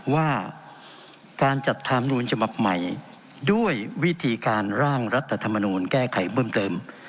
ว่าการจัดทำนูญฉบับใหม่ด้วยวิธีการร่างรัฐธรรมนูลแก้ไขเพิ่มเติม